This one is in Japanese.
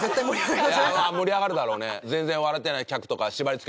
いやまあ盛り上がるだろうね。